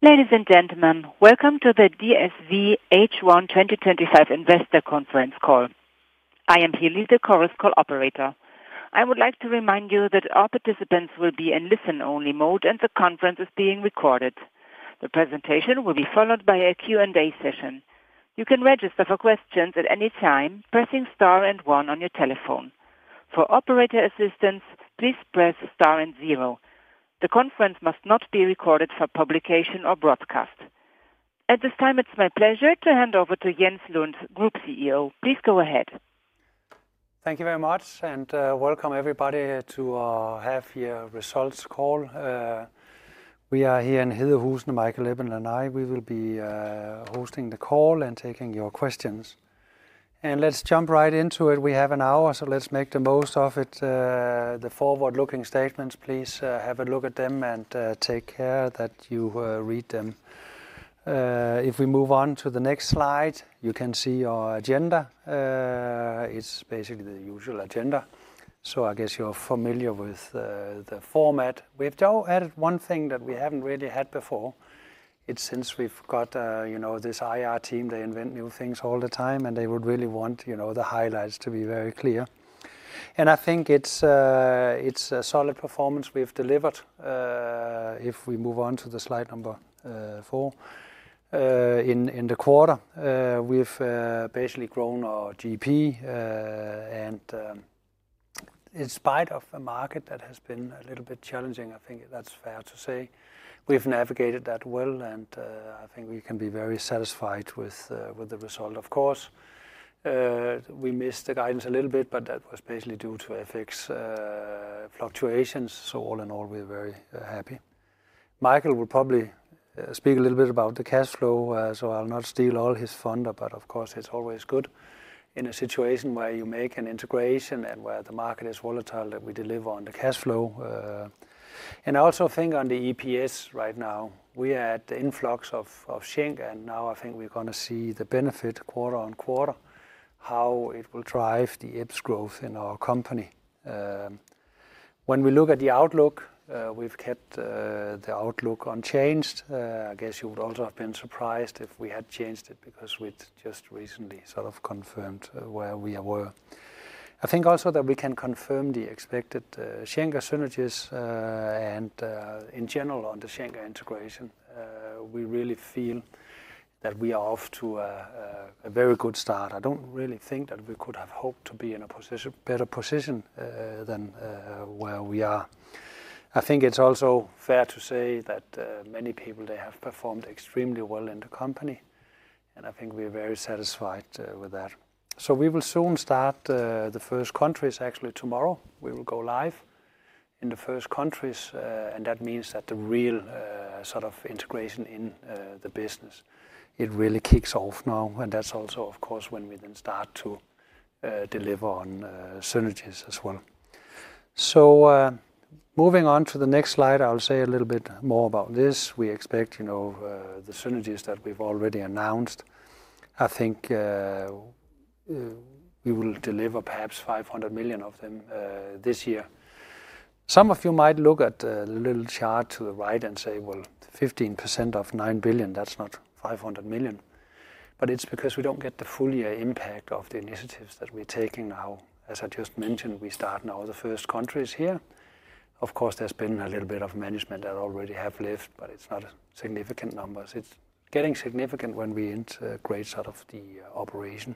Ladies and gentlemen, welcome to the DSV H1 2025 investor conference call. I am Hilly the conference call operator. I would like to remind you that all participants will be in listen-only mode and the conference is being recorded. The presentation will be followed by a Q&A session. You can register for questions at any time by pressing star and one on your telephone. For operator assistance, please press star and zero. The conference must not be recorded for publication or broadcast. At this time, it's my pleasure to hand over to Jens Lund, Group CEO. Please go ahead. Thank you very much, and welcome everybody to our half year results call. We are here in Hillerød, Michael Ebbe and I will be hosting the call and taking your questions. Let's jump right into it. We have an hour, so let's make the most of it. The forward-looking statements, please have a look at them and take care that you read them. If we move on to the next slide, you can see our agenda. It's basically the usual agenda. I guess you're familiar with the format. We've just added one thing that we haven't really had before. Since we've got this IR team, they invent new things all the time, and they would really want the highlights to be very clear. I think it's a solid performance we've delivered. If we move on to slide number four. In the quarter, we've basically grown our GP. In spite of a market that has been a little bit challenging, I think that's fair to say, we've navigated that well, and I think we can be very satisfied with the result. Of course, we missed the guidance a little bit, but that was basically due to FX fluctuations. All in all, we're very happy. Michael will probably speak a little bit about the cash flow, so I'll not steal all his thunder, but of course, it's always good in a situation where you make an integration and where the market is volatile that we deliver on the cash flow. I also think on the EPS right now, we are at the influx of Schenker, and now I think we're going to see the benefit quarter-on-quarter, how it will drive the EPS growth in our company. When we look at the outlook, we've kept the outlook unchanged. I guess you would also have been surprised if we had changed it because we just recently sort of confirmed where we were. I think also that we can confirm the expected Schenker synergies and in general on the Schenker integration. We really feel that we are off to a very good start. I don't really think that we could have hoped to be in a better position than where we are. I think it's also fair to say that many people, they have performed extremely well in the company, and I think we are very satisfied with that. We will soon start the first countries, actually tomorrow we will go live in the first countries, and that means that the real sort of integration in the business, it really kicks off now. That's also, of course, when we then start to deliver on synergies as well. Moving on to the next slide, I'll say a little bit more about this. We expect. The synergies that we've already announced, I think we will deliver perhaps $500 million of them this year. Some of you might look at the little chart to the right and say, 15% of $9 billion, that's not $500 million. It's because we don't get the full year impact of the initiatives that we're taking now. As I just mentioned, we start now the first countries here. Of course, there's been a little bit of management that already have left, but it's not significant numbers. It's getting significant when we integrate sort of the operation.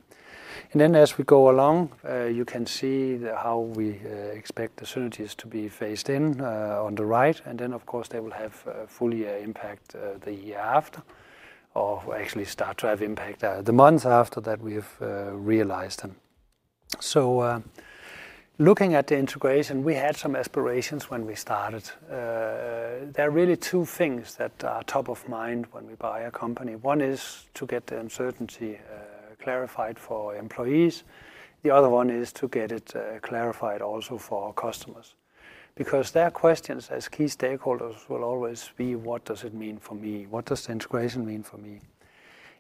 As we go along, you can see how we expect the synergies to be phased in on the right. They will have full year impact the year after, or actually start to have impact the months after that we've realized them. Looking at the integration, we had some aspirations when we started. There are really two things that are top of mind when we buy a company. One is to get the uncertainty clarified for employees. The other one is to get it clarified also for customers because their questions as key stakeholders will always be, what does it mean for me? What does the integration mean for me?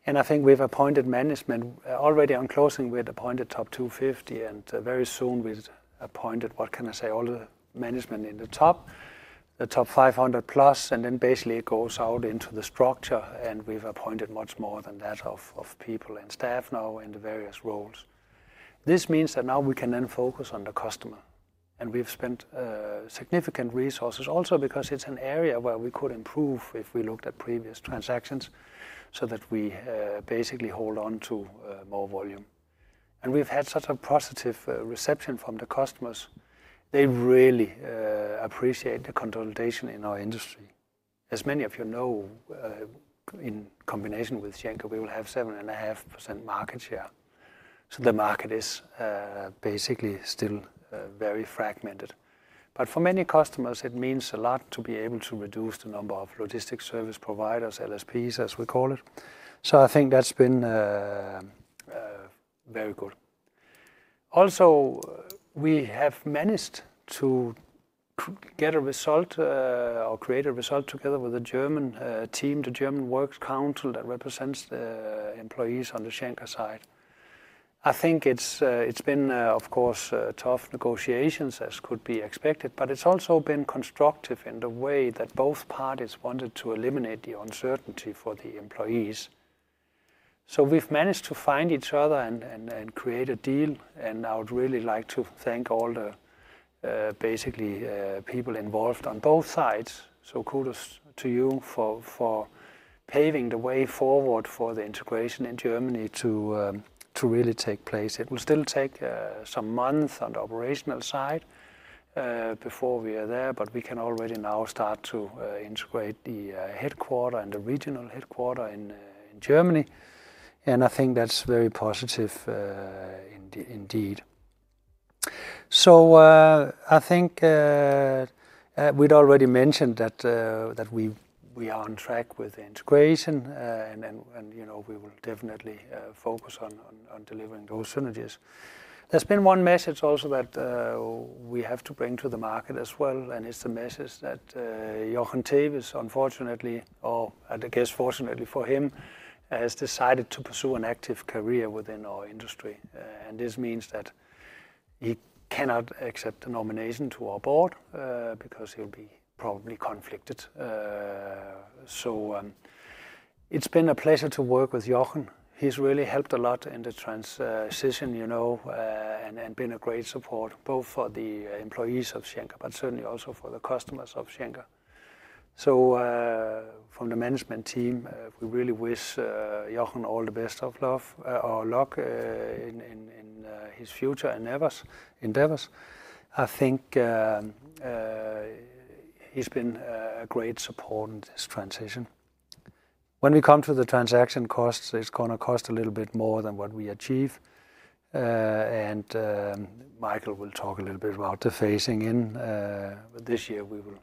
I think we've appointed management already on closing. We've appointed top 250, and very soon we've appointed, what can I say, all the management in the top, the top 500+. Basically, it goes out into the structure, and we've appointed much more than that of people and staff now in the various roles. This means that now we can then focus on the customer, and we've spent significant resources also because it's an area where we could improve if we looked at previous transactions so that we basically hold on to more volume. We've had such a positive reception from the customers. They really appreciate the consolidation in our industry, as many of you know. In combination with Schenker, we will have 7.5% market share. The market is basically still very fragmented. For many customers, it means a lot to be able to reduce the number of logistics service providers, LSPs as we call it. I think that's been very good. Also, we have managed to get a result or create a result together with the German team, the German Works Council that represents the employees on the Schenker side. I think it's been, of course, tough negotiations as could be expected, but it's also been constructive in the way that both parties wanted to eliminate the uncertainty for the employees. We've managed to find each other and create a deal. I would really like to thank all the people involved on both sides. Kudos to you for paving the way forward for the integration in Germany to really take place. It will still take some months on the operational side before we are there, but we can already now start to integrate the headquarter and the regional headquarter in Germany. I think that's very positive indeed. I think we'd already mentioned that we are on track with the integration, and we will definitely focus on delivering those synergies. There's been one message also that we have to bring to the market as well, and it's the message that Jochen Tewes, unfortunately, or I guess fortunately for him, has decided to pursue an active career within our industry. This means that he cannot accept the nomination to our Board because he'll be probably conflicted. It's been a pleasure to work with Jochen. He's really helped a lot in the transition and been a great support both for the employees of Schenker, but certainly also for the customers of Schenker. From the management team, we really wish Jochen all the best of luck in his future endeavors. I think he's been a great support in this transition. When we come to the transaction costs, it's going to cost a little bit more than what we achieve. Michael will talk a little bit about the phasing in. This year, we will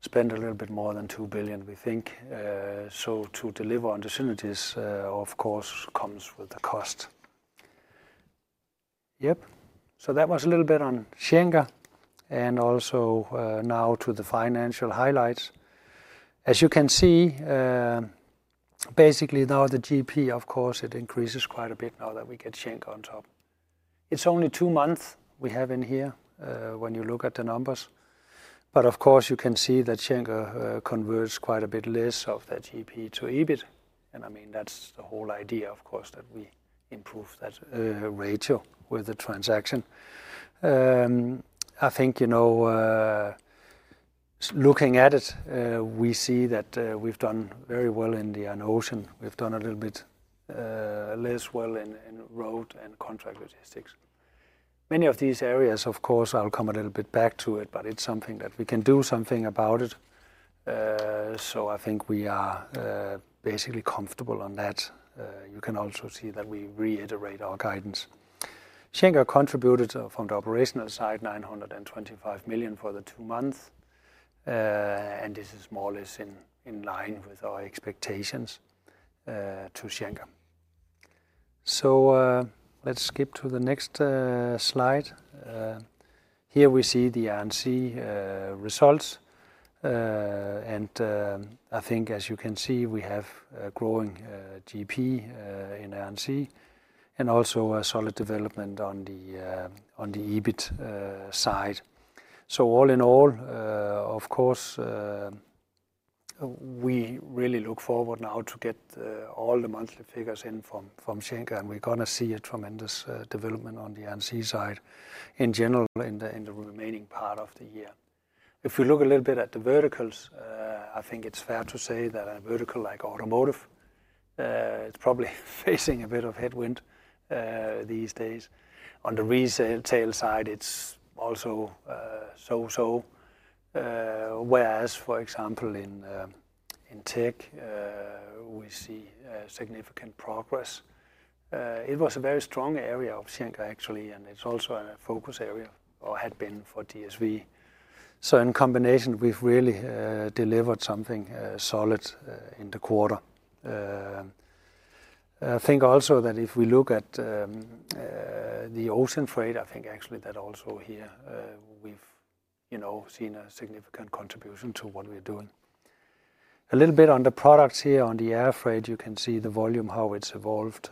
spend a little bit more than 2 billion, we think. To deliver on the synergies, of course, comes with the cost. That was a little bit on Schenker. Also now to the financial highlights. As you can see, basically now the GP, of course, it increases quite a bit now that we get Schenker on top. It's only two months we have in here when you look at the numbers, but you can see that Schenker converts quite a bit less of that GP to EBIT. That's the whole idea, of course, that we improve that ratio with the transaction. Looking at it, we see that we've done very well in the ocean. We've done a little bit less well in road and contract logistics. Many of these areas, of course, I'll come a little bit back to it, but it's something that we can do something about. I think we are basically comfortable on that. You can also see that we reiterate our guidance. Schenker contributed from the operational side 925 million for the two months, and this is more or less in line with our expectations. To Schenker. Let's skip to the next slide. Here we see the air and sea results. I think, as you can see, we have a growing GP in air and sea and also a solid development on the EBIT side. All in all, of course, we really look forward now to get all the monthly figures in from Schenker, and we're going to see a tremendous development on the air and sea side in general in the remaining part of the year. If we look a little bit at the verticals, I think it's fair to say that a vertical like automotive is probably facing a bit of headwind these days. On the retail side, it's also so-so, whereas, for example, in tech, we see significant progress. It was a very strong area of Schenker, actually, and it's also a focus area or had been for DSV. In combination, we've really delivered something solid in the quarter. I think also that if we look at the ocean freight, I think actually that also here we've seen a significant contribution to what we're doing. A little bit on the products here on the air freight, you can see the volume, how it's evolved.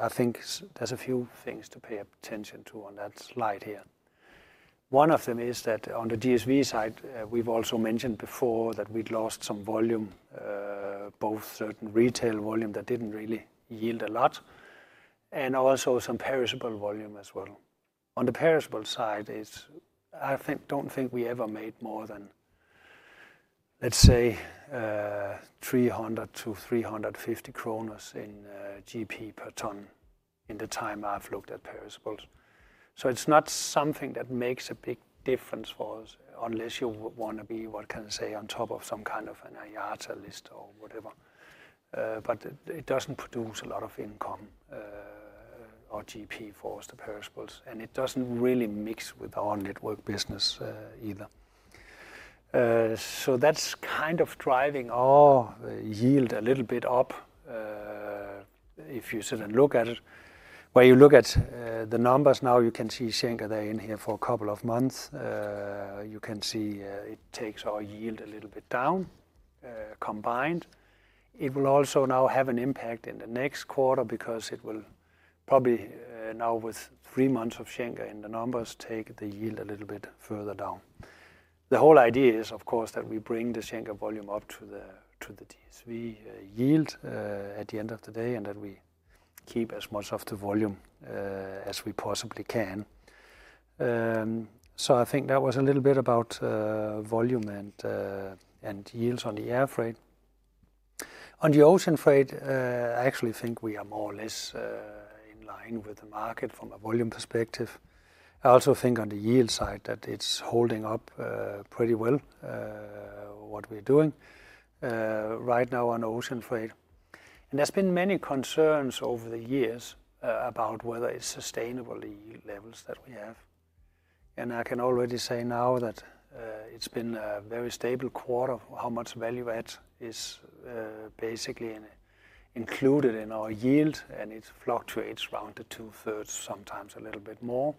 I think there's a few things to pay attention to on that slide here. One of them is that on the DSV side, we've also mentioned before that we'd lost some volume, both certain retail volume that didn't really yield a lot, and also some perishable volume as well. On the perishable side, I don't think we ever made more than, let's say, 300-350 kroner in GP per ton in the time I've looked at perishables. It's not something that makes a big difference for us unless you want to be, what can I say, on top of some kind of an IATA list or whatever. It doesn't produce a lot of income or GP for us, the perishables, and it doesn't really mix with our network business either. That's kind of driving our yield a little bit up if you sit and look at it. When you look at the numbers now, you can see Schenker there in here for a couple of months. You can see it takes our yield a little bit down. Combined, it will also now have an impact in the next quarter because it will probably now, with three months of Schenker in the numbers, take the yield a little bit further down. The whole idea is, of course, that we bring the Schenker volume up to the DSV yield at the end of the day and that we keep as much of the volume as we possibly can. I think that was a little bit about volume and yields on the air freight. On the ocean freight, I actually think we are more or less in line with the market from a volume perspective. I also think on the yield side that it's holding up pretty well. What we're doing right now on ocean freight, and there's been many concerns over the years about whether it's sustainable, the yield levels that we have. I can already say now that it's been a very stable quarter, how much value-add is basically included in our yield, and it fluctuates around the 2/3, sometimes a little bit more.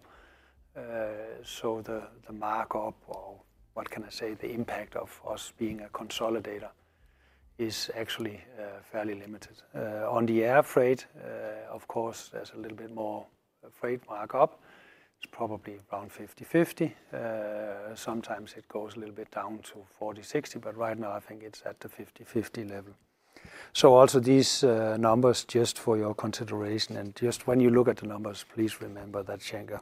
The markup, or what can I say, the impact of us being a consolidator, is actually fairly limited. On the air freight, of course, there's a little bit more freight markup. It's probably around 50/50. Sometimes it goes a little bit down to 40/60, but right now I think it's at the 50/50 level. Also, these numbers just for your consideration. Just when you look at the numbers, please remember that Schenker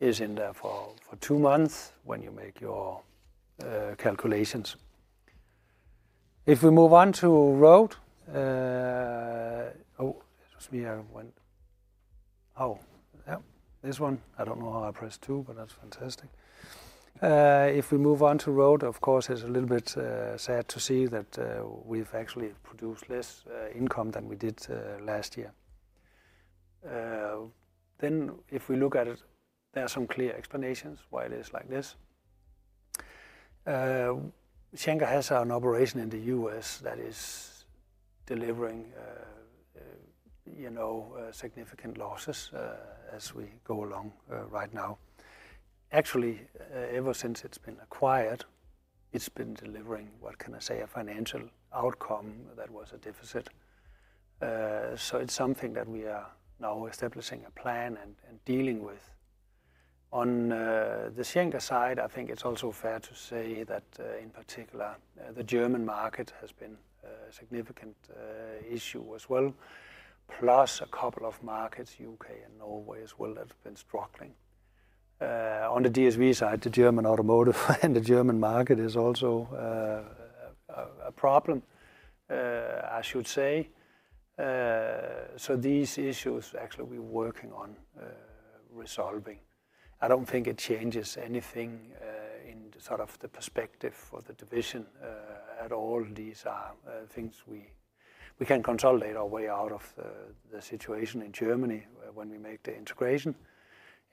is in there for two months when you make your calculations. If we move on to road—oh, excuse me, I went—oh, yeah, this one. I don't know how I pressed two, but that's fantastic. If we move on to road, of course, it's a little bit sad to see that we've actually produced less income than we did last year. If we look at it, there are some clear explanations why it is like this. Schenker has an operation in the U.S. that is delivering significant losses as we go along right now. Actually, ever since it's been acquired, it's been delivering, what can I say, a financial outcome that was a deficit. It's something that we are now establishing a plan and dealing with. On the Schenker side, I think it's also fair to say that in particular, the German market has been a significant issue as well, plus a couple of markets, U.K. and Norway as well, that have been struggling. On the DSV side, the German automotive and the German market is also a problem, I should say. These issues actually we're working on resolving. I don't think it changes anything in sort of the perspective for the division at all. These are things we can consolidate our way out of the situation in Germany when we make the integration.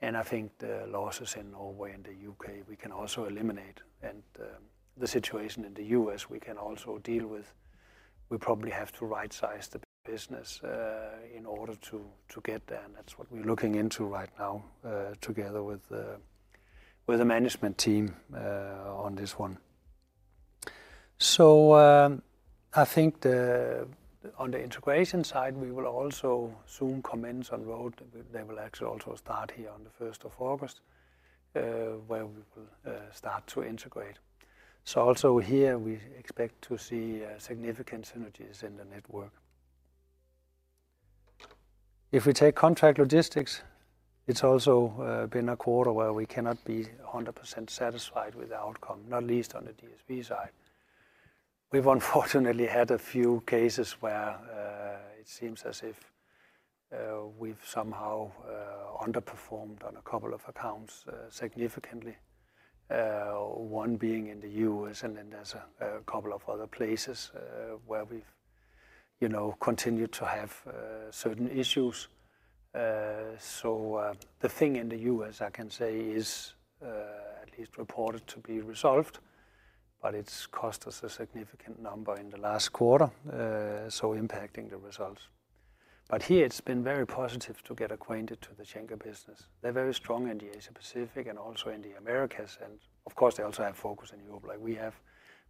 I think the losses in Norway and the U.K., we can also eliminate, and the situation in the U.S., we can also deal with. We probably have to right-size the business in order to get there, and that's what we're looking into right now together with the management team on this one. I think on the integration side, we will also soon commence on road. They will actually also start here on the 1st of August, where we will start to integrate. Here, we expect to see significant synergies in the network. If we take contract logistics, it's also been a quarter where we cannot be 100% satisfied with the outcome, not least on the DSV side. We've unfortunately had a few cases where it seems as if we've somehow underperformed on a couple of accounts significantly, one being in the U.S., and then there's a couple of other places where we've continued to have certain issues. The thing in the U.S., I can say, is at least reported to be resolved, but it's cost us a significant number in the last quarter, impacting the results. Here, it's been very positive to get acquainted to the Schenker business. They're very strong in the Asia-Pacific and also in the Americas. Of course, they also have focus in Europe like we have,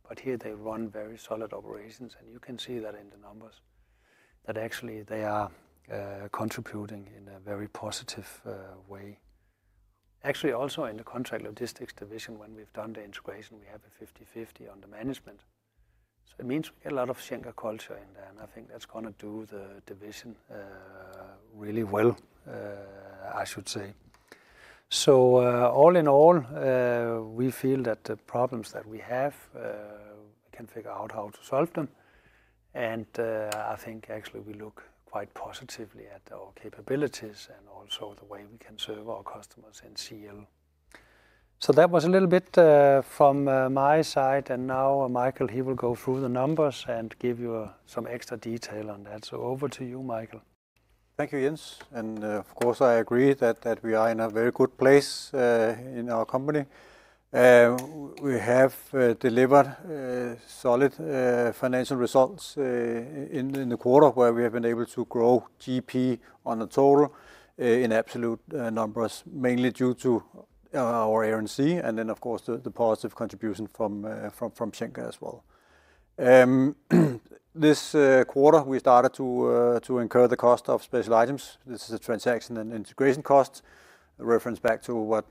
but here they run very solid operations. You can see that in the numbers that actually they are contributing in a very positive way. Actually, also in the contract logistics division, when we've done the integration, we have a 50/50 on the management. It means we get a lot of Schenker culture in there, and I think that's going to do the division really well. I should say, all in all, we feel that the problems that we have, we can figure out how to solve them. I think actually we look quite positively at our capabilities and also the way we can serve our customers in CL. That was a little bit from my side. Now Michael, he will go through the numbers and give you some extra detail on that. Over to you, Michael. Thank you, Jens. Of course, I agree that we are in a very good place in our company. We have delivered solid financial results in the quarter where we have been able to grow GP on a total in absolute numbers, mainly due to our air and sea and then, of course, the positive contribution from Schenker as well. This quarter, we started to incur the cost of special items. This is a transaction and integration cost, reference back to what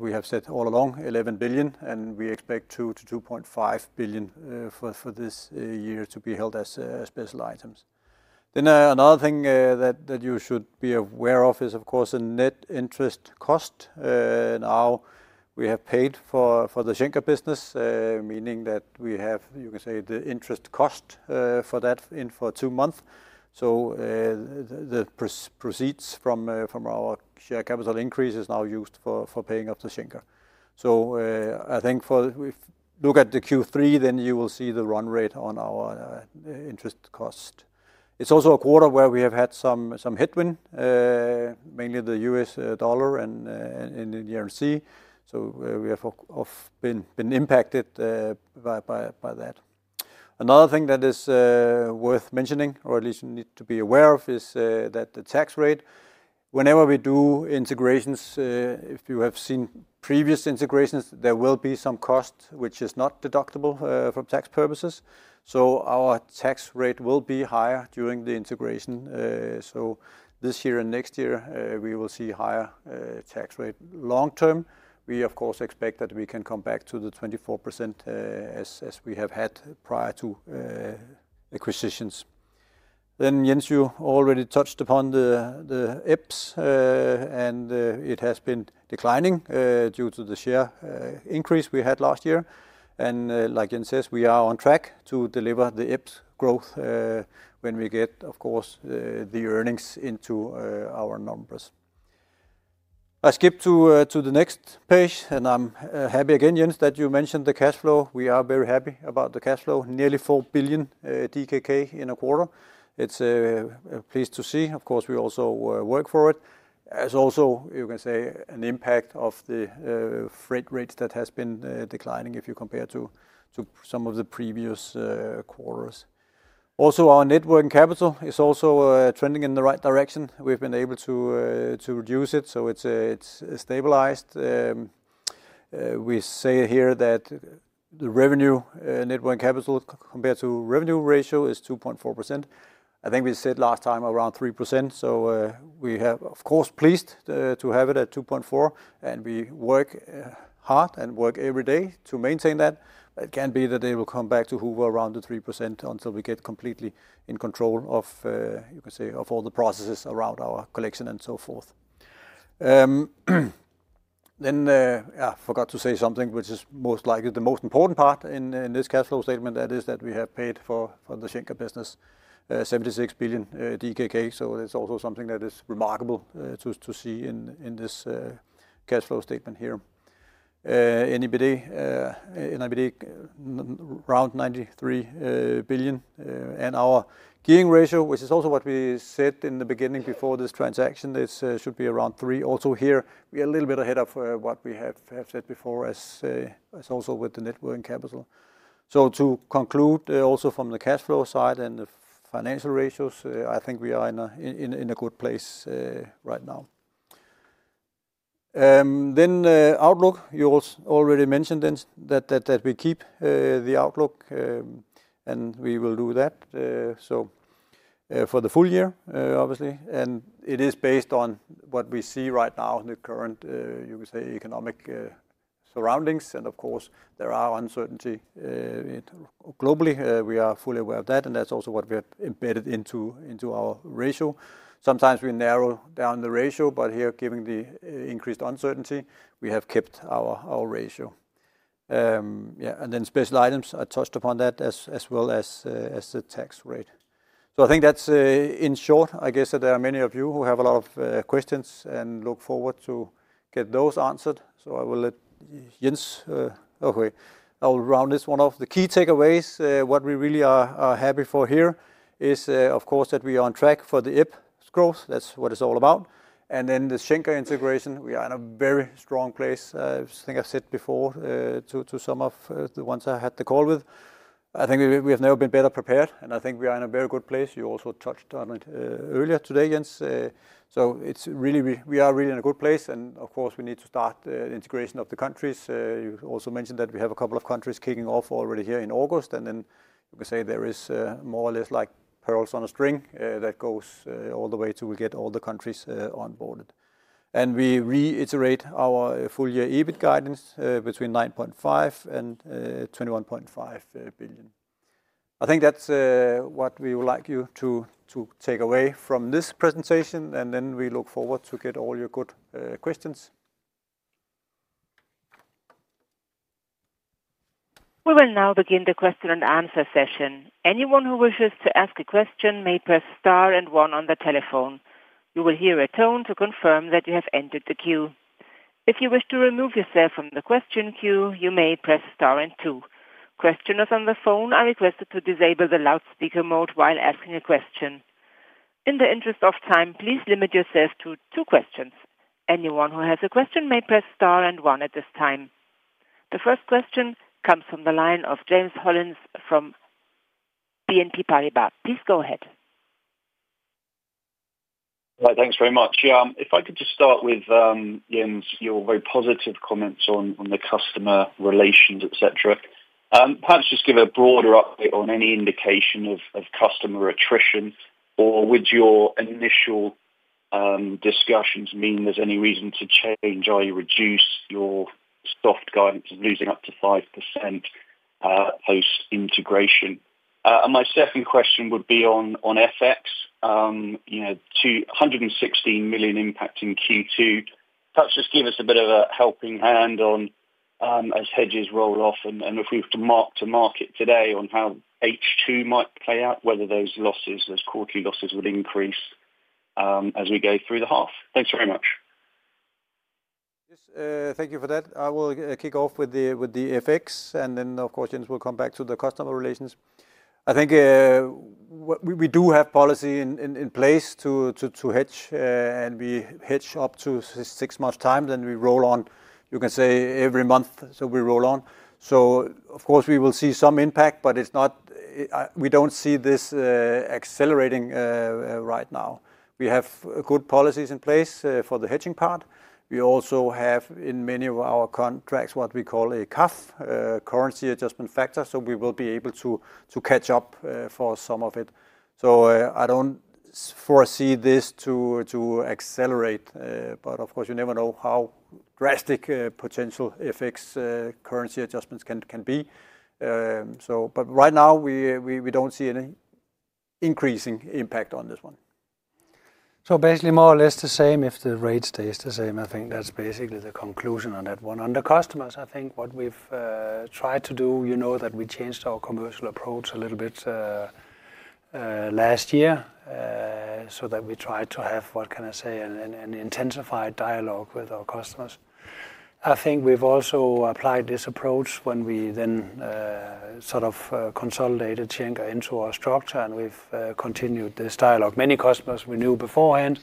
we have said all along, 11 billion, and we expect 2 billion-2.5 billion for this year to be held as special items. Another thing that you should be aware of is, of course, a net interest cost. Now we have paid for the Schenker business, meaning that we have, you can say, the interest cost for that in for two months. The proceeds from our share capital increase is now used for paying off the Schenker. I think if you look at the Q3, then you will see the run rate on our interest cost. It's also a quarter where we have had some headwind, mainly the US dollar and in the air and sea. We have been impacted by that. Another thing that is worth mentioning, or at least you need to be aware of, is that the tax rate, whenever we do integrations, if you have seen previous integrations, there will be some cost which is not deductible for tax purposes. Our tax rate will be higher during the integration. This year and next year, we will see a higher tax rate. Long term, we, of course, expect that we can come back to the 24% as we have had prior to acquisitions. Jens, you already touched upon the EPS, and it has been declining due to the share increase we had last year. Like Jens says, we are on track to deliver the EPS growth when we get, of course, the earnings into our numbers. I skip to the next page, and I'm happy again, Jens, that you mentioned the cash flow. We are very happy about the cash flow, nearly 4 billion DKK in a quarter. It's a pleasure to see. Of course, we also work for it. There's also, you can say, an impact of the freight rate that has been declining if you compare to some of the previous quarters. Also, our net working capital is also trending in the right direction. We've been able to reduce it, so it's stabilized. We say here that the net working capital compared to revenue ratio is 2.4%. I think we said last time around 3%. We are, of course, pleased to have it at 2.4%, and we work hard and work every day to maintain that. It can be that it will come back to hover around the 3% until we get completely in control of, you can say, all the processes around our collection and so forth. I forgot to say something, which is most likely the most important part in this cash flow statement, that is that we have paid for the Schenker business, 76 billion DKK. It's also something that is remarkable to see in this cash flow statement here. Net debt, around 93 billion. Our gearing ratio, which is also what we said in the beginning before this transaction, should be around 3. Also here, we are a little bit ahead of what we have said before, as also with the net working capital. To conclude also from the cash flow side and the financial ratios, I think we are in a good place right now. Outlook, you already mentioned that we keep the outlook, and we will do that for the full year, obviously. It is based on what we see right now in the current, you can say, economic surroundings. Of course, there are uncertainties globally. We are fully aware of that, and that's also what we have embedded into our ratio. Sometimes we narrow down the ratio, but here, given the increased uncertainty, we have kept our ratio. Special items, I touched upon that as well as the tax rate. I think that's in short. I guess that there are many of you who have a lot of questions and look forward to get those answered. I will let Jens, okay, I will round this one off. The key takeaways, what we really are happy for here is, of course, that we are on track for the EPS growth. That's what it's all about. The Schenker integration, we are in a very strong place. I think I said before to some of the ones I had the call with, I think we have never been better prepared, and I think we are in a very good place. You also touched on it earlier today, Jens. We are really in a good place. Of course, we need to start the integration of the countries. You also mentioned that we have a couple of countries kicking off already here in August. You can say there is more or less like pearls on a string that goes all the way to we get all the countries onboarded. We reiterate our full year EBIT guidance between 9.5 billion and 21.5 billion. I think that's what we would like you to take away from this presentation. We look forward to get all your good questions. We will now begin the question-and-answer session. Anyone who wishes to ask a question may press star and one on the telephone. You will hear a tone to confirm that you have entered the queue. If you wish to remove yourself from the question queue, you may press star and two. Questioners on the phone are requested to disable the loudspeaker mode while asking a question. In the interest of time, please limit yourself to two questions. Anyone who has a question may press star and one at this time. The first question comes from the line of James Hollins from BNP Paribas. Please go ahead. Thanks very much. If I could just start with Jens, your very positive comments on the customer relations, etc., perhaps just give a broader update on any indication of customer attrition, or would your initial discussions mean there's any reason to change or reduce your soft guidance of losing up to 5% post-integration? My second question would be on FX. 116 million impact in Q2. Perhaps just give us a bit of a helping hand on. As hedges roll off and if we've to mark-to-market today on how H2 might play out, whether those losses, those quarterly losses would increase as we go through the half. Thanks very much. Yes. Thank you for that. I will kick off with the FX, and then, of course, Jens will come back to the customer relations. I think we do have policy in place to hedge, and we hedge up to six months' time. Then we roll on, you can say, every month, so we roll on. Of course, we will see some impact, but we don't see this accelerating right now. We have good policies in place for the hedging part. We also have in many of our contracts what we call a CAF, currency adjustment factor, so we will be able to catch up for some of it. I don't foresee this to accelerate, but of course, you never know how drastic potential FX currency adjustments can be. Right now, we don't see any increasing impact on this one. Basically more or less the same if the rate stays the same. I think that's basically the conclusion on that one. On the customers, I think what we've tried to do, you know that we changed our commercial approach a little bit last year so that we tried to have, what can I say, an intensified dialogue with our customers. I think we've also applied this approach when we then sort of consolidated Schenker into our structure, and we've continued this dialogue. Many customers we knew beforehand,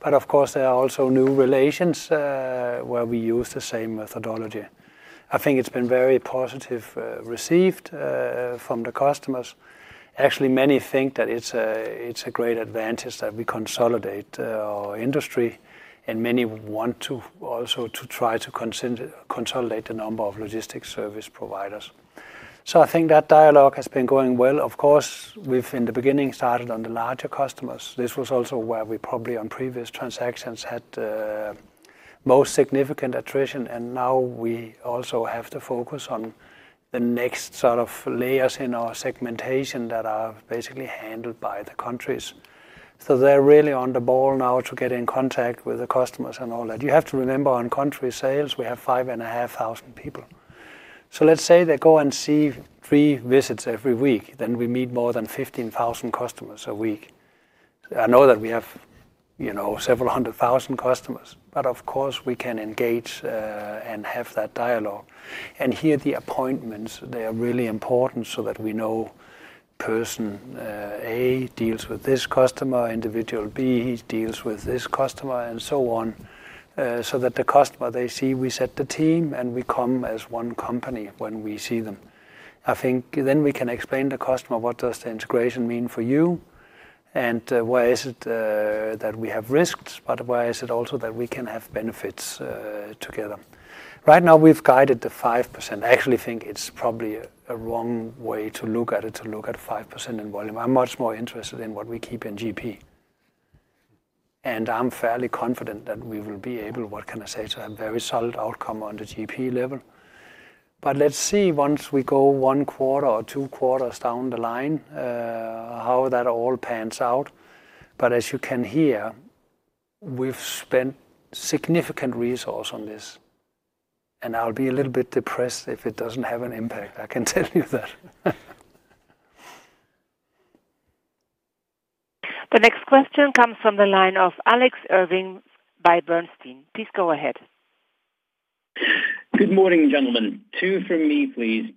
but of course, there are also new relations where we use the same methodology. I think it's been very positively received from the customers. Actually, many think that it's a great advantage that we consolidate our industry, and many want to also try to consolidate the number of logistics service providers. I think that dialogue has been going well. Of course, we've in the beginning started on the larger customers. This was also where we probably on previous transactions had most significant attrition, and now we also have to focus on the next sort of layers in our segmentation that are basically handled by the countries. They're really on the ball now to get in contact with the customers and all that. You have to remember on country sales, we have 5,500 people. Let's say they go and see three visits every week, then we meet more than 15,000 customers a week. I know that we have several 100,000 customers, but of course, we can engage and have that dialogue and hear the appointments, they are really important so that we know. Person A deals with this customer, individual B deals with this customer, and so on, so that the customer they see, we set the team and we come as one company when we see them. I think then we can explain to the customer what does the integration mean for you, and where is it that we have risks, but where is it also that we can have benefits together. Right now we've guided the 5%. I actually think it's probably a wrong way to look at it, to look at 5% in volume. I'm much more interested in what we keep in GP, and I'm fairly confident that we will be able, what can I say, to have very solid outcome on the GP level. Let's see once we go one quarter or two quarters down the line how that all pans out. As you can hear, we've spent significant resource on this, and I'll be a little bit depressed if it doesn't have an impact. I can tell you that. The next question comes from the line of Alex Irving by Bernstein. Please go ahead. Good morning, gentlemen. Two from me, please.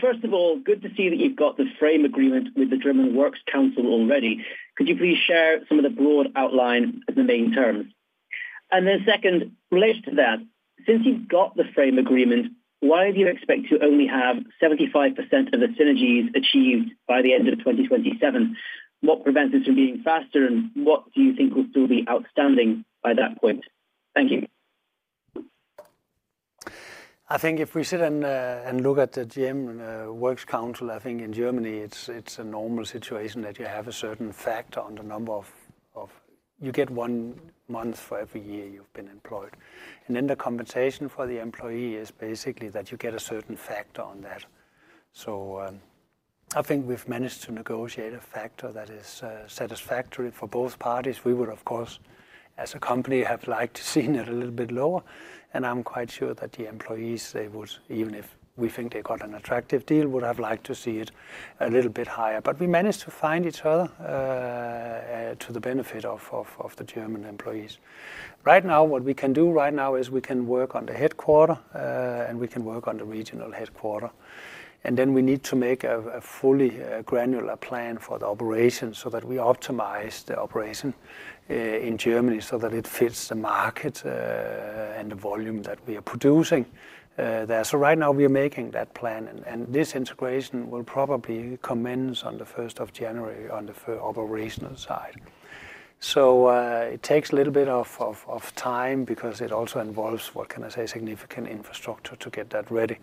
First of all, good to see that you've got the frame agreement with the German Works Council already. Could you please share some of the broad outline of the main terms? Second, related to that, since you've got the frame agreement, why do you expect to only have 75% of the synergies achieved by the end of 2027? What prevents this from being faster, and what do you think will still be outstanding by that point? Thank you. I think if we sit and look at the German Works Council, I think in Germany it's a normal situation that you have a certain factor on the number of, you get one month for every year you've been employed, and then the compensation for the employee is basically that you get a certain factor on that. I think we've managed to negotiate a factor that is satisfactory for both parties. We would, of course, as a company, have liked to see it a little bit lower, and I'm quite sure that the employees, even if we think they got an attractive deal, would have liked to see it a little bit higher, but we managed to find each other to the benefit of the German employees. Right now, what we can do right now is we can work on the headquarter, and we can work on the regional headquarter, and then we need to make a fully granular plan for the operation so that we optimize the operation in Germany so that it fits the market and the volume that we are producing there. Right now we are making that plan, and this integration will probably commence on 1st of January on the operational side. It takes a little bit of time because it also involves, what can I say, significant infrastructure to get that ready.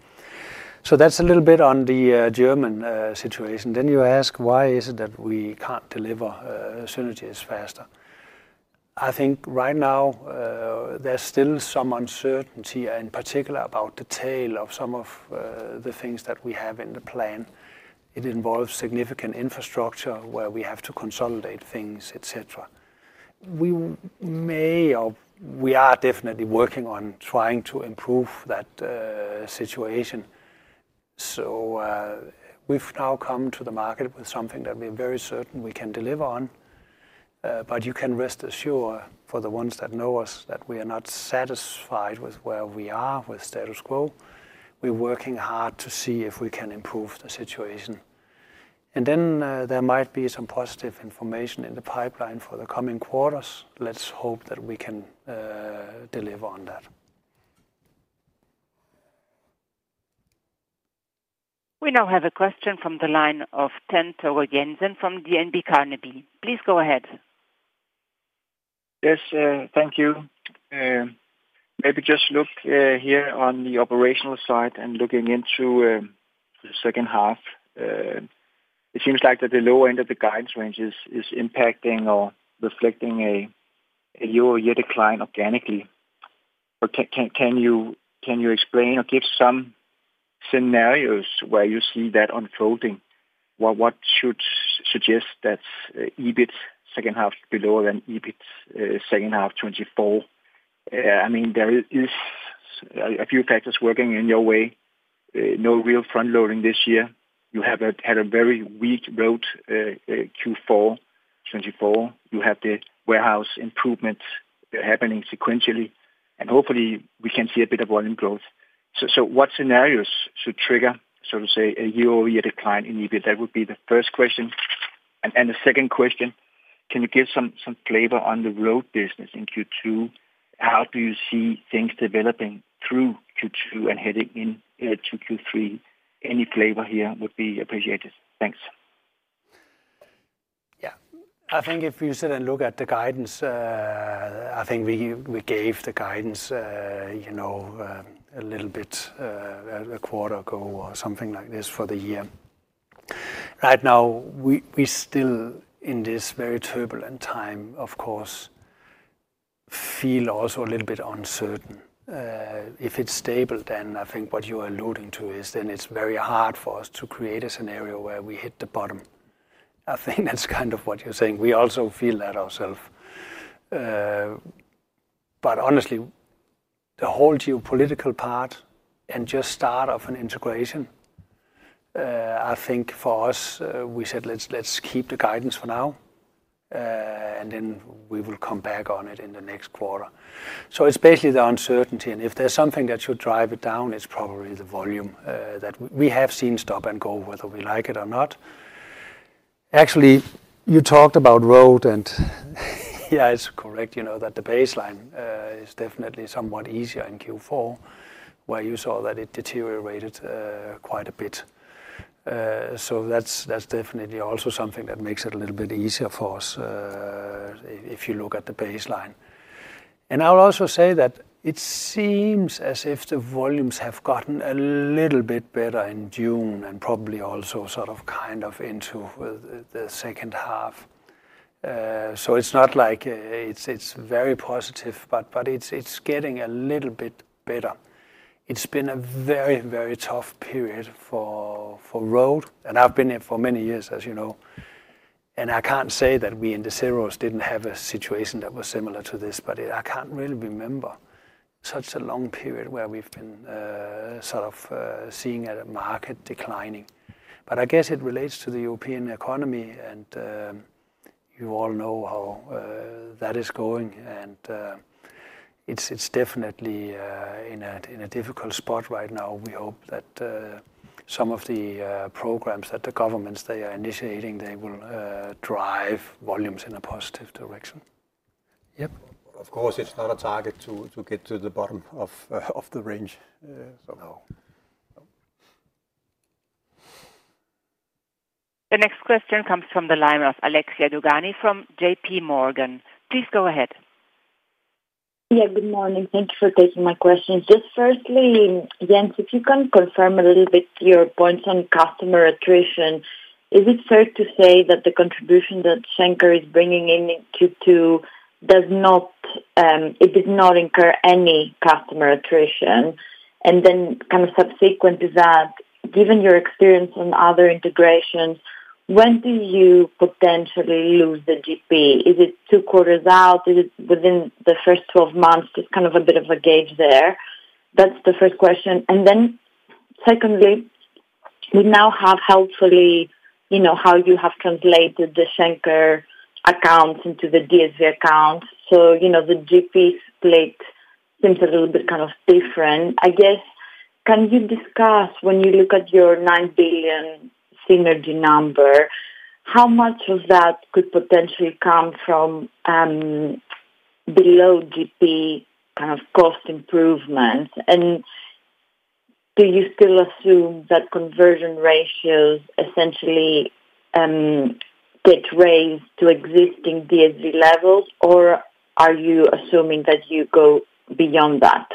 That's a little bit on the German situation. You ask why is it that we can't deliver synergies faster. I think right now there's still some uncertainty in particular about the tail of some of the things that we have in the plan. It involves significant infrastructure where we have to consolidate things, etc. We are definitely working on trying to improve that situation. We've now come to the market with something that we are very certain we can deliver on. You can rest assured for the ones that know us that we are not satisfied with where we are with status quo. We're working hard to see if we can improve the situation. There might be some positive information in the pipeline for the coming quarters. Let's hope that we can deliver on that. We now have a question from the line of Dan Togo Jensen from DNB Carnegie. Please go ahead. Yes, thank you. Maybe just look here on the operational side and looking into the second half. It seems like the lower end of the guidance range is impacting or reflecting a year-over-year decline organically. Can you explain or give some scenarios where you see that unfolding? What should suggest that EBIT second half below EBIT second half 2024? I mean, there are a few factors working in your way. No real front-loading this year. You had a very weak road Q4 2024. You have the warehouse improvement happening sequentially. Hopefully, we can see a bit of volume growth. What scenarios should trigger, so to say, a year-over-year decline in EBIT? That would be the first question. The second question, can you give some flavor on the road business in Q2? How do you see things developing through Q2 and heading into Q3? Any flavor here would be appreciated. Thanks. I think if you sit and look at the guidance, I think we gave the guidance a little bit a quarter ago or something like this for the year. Right now, we are still in this very turbulent time, of course. Feel also a little bit uncertain. If it's stable, then I think what you are alluding to is then it's very hard for us to create a scenario where we hit the bottom. I think that's kind of what you're saying. We also feel that ourselves. Honestly. The whole geopolitical part and just start of an integration. I think for us, we said, let's keep the guidance for now, and then we will come back on it in the next quarter. It's basically the uncertainty. If there's something that should drive it down, it's probably the volume that we have seen stop and go, whether we like it or not. Actually, you talked about road, and yeah, it's correct that the baseline is definitely somewhat easier in Q4, where you saw that it deteriorated quite a bit. That's definitely also something that makes it a little bit easier for us if you look at the baseline. I'll also say that it seems as if the volumes have gotten a little bit better in June and probably also sort of kind of into the second half. It's not like it's very positive, but it's getting a little bit better. It's been a very, very tough period for road, and I've been here for many years, as you know. I can't say that we in the zeros didn't have a situation that was similar to this, but I can't really remember such a long period where we've been sort of seeing a market declining. I guess it relates to the European economy, and you all know how that is going. It's definitely in a difficult spot right now. We hope that some of the programs that the governments are initiating will drive volumes in a positive direction. Of course, it's not a target to get to the bottom of the range. No. The next question comes from the line of Alexia Dogani from JPMorgan. Please go ahead. Yeah, good morning. Thank you for taking my questions. Just firstly, Jens, if you can confirm a little bit your points on customer attrition, is it fair to say that the contribution that Schenker is bringing in Q2 does not, it did not incur any customer attrition? Then kind of subsequent to that, given your experience on other integrations, when do you potentially lose the GP? Is it two quarters out? Is it within the first 12 months? Just kind of a bit of a gauge there. That's the first question. Secondly, we now have helpfully how you have translated the Schenker accounts into the DSV accounts, so the GP split seems a little bit kind of different. I guess, can you discuss, when you look at your $9 billion synergy number, how much of that could potentially come from below GP kind of cost improvements? Do you still assume that conversion ratios essentially get raised to existing DSV levels, or are you assuming that you go beyond that?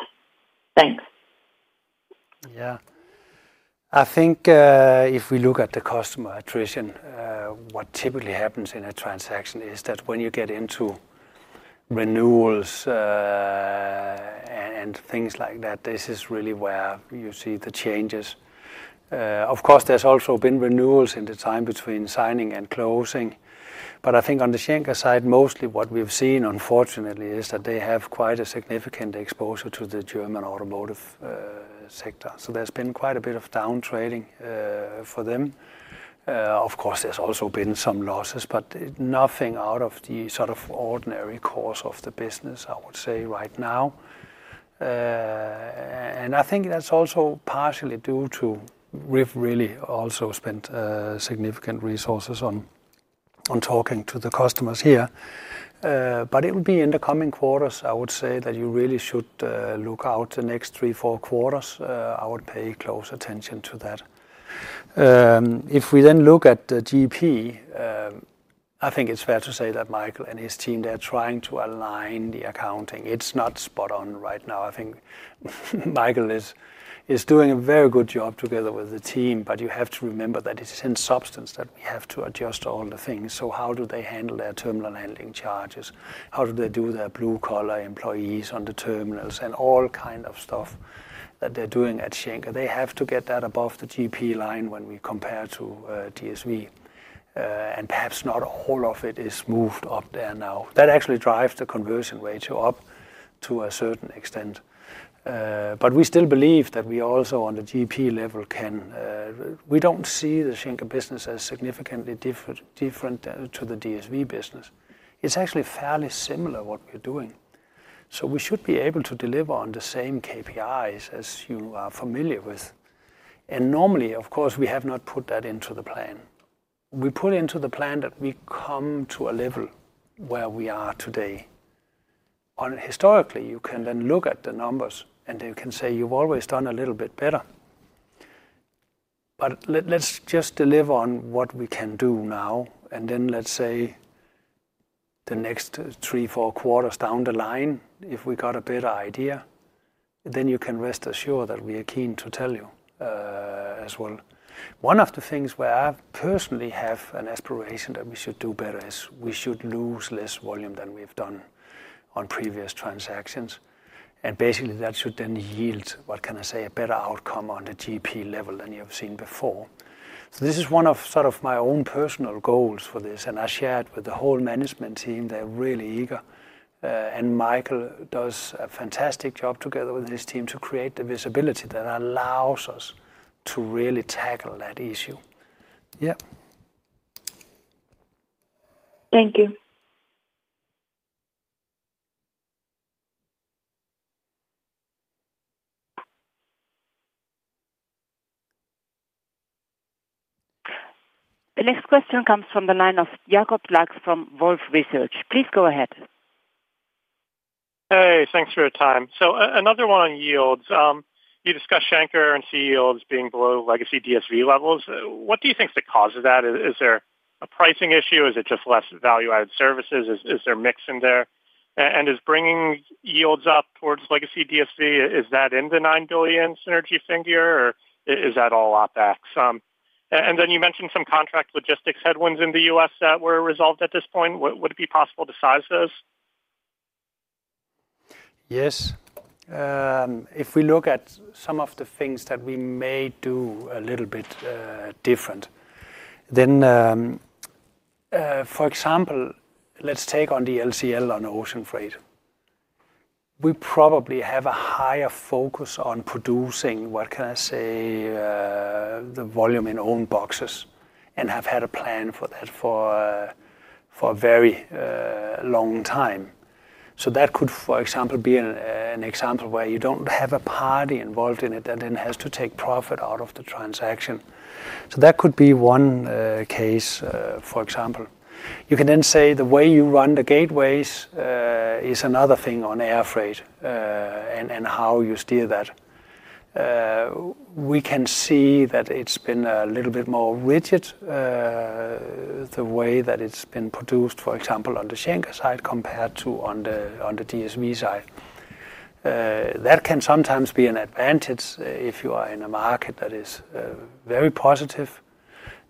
Thanks. Yeah. I think if we look at the customer attrition, what typically happens in a transaction is that when you get into renewals and things like that, this is really where you see the changes. Of course, there's also been renewals in the time between signing and closing. I think on the Schenker side, mostly what we've seen, unfortunately, is that they have quite a significant exposure to the German automotive sector. There's been quite a bit of downtrading for them. Of course, there's also been some losses, but nothing out of the ordinary course of the business, I would say, right now. I think that's also partially due to us having really also spent significant resources on talking to the customers here. It will be in the coming quarters, I would say, that you really should look out the next three, four quarters. I would pay close attention to that. If we then look at the GP, I think it's fair to say that Michael and his team, they're trying to align the accounting. It's not spot on right now. I think Michael is doing a very good job together with the team, but you have to remember that it's in substance that we have to adjust all the things. How do they handle their terminal handling charges? How do they do their blue-collar employees on the terminals and all kinds of stuff that they're doing at Schenker? They have to get that above the GP line when we compare to DSV, and perhaps not all of it is moved up there now. That actually drives the conversion ratio up to a certain extent. We still believe that we also on the GP level can. We don't see the Schenker business as significantly different to the DSV business. It's actually fairly similar what we're doing, so we should be able to deliver on the same KPIs as you are familiar with. Normally, of course, we have not put that into the plan. We put into the plan that we come to a level where we are today. Historically, you can then look at the numbers, and you can say, "You've always done a little bit better." Let's just deliver on what we can do now. The next three, four quarters down the line, if we got a better idea, then you can rest assured that we are keen to tell you as well. One of the things where I personally have an aspiration that we should do better is we should lose less volume than we've done on previous transactions. Basically, that should then yield, what can I say, a better outcome on the GP level than you've seen before. This is one of sort of my own personal goals for this, and I shared with the whole management team. They're really eager, and Michael does a fantastic job together with his team to create the visibility that allows us to really tackle that issue. Thank you. The next question comes from the line of Jacob Lacks from Wolfe Research. Please go ahead. Hey, thanks for your time. Another one on yields. You discussed Schenker and CEOs being below legacy DSV levels. What do you think's the cause of that? Is there a pricing issue? Is it just less value-added services? Is there a mix in there? Is bringing yields up towards legacy DSV, is that in the $9 billion synergy figure, or is that all OpEx? You mentioned some contract logistics headwinds in the U.S. that were resolved at this point. Would it be possible to size those? Yes. If we look at some of the things that we may do a little bit different, for example, let's take on the LCL on ocean freight. We probably have a higher focus on producing, what can I say, the volume in own boxes and have had a plan for that for a very long time. That could, for example, be an example where you don't have a party involved in it that then has to take profit out of the transaction. That could be one case, for example. You can then say the way you run the gateways is another thing on air freight and how you steer that. We can see that it's been a little bit more rigid, the way that it's been produced, for example, on the Schenker side compared to on the DSV side. That can sometimes be an advantage if you are in a market that is very positive.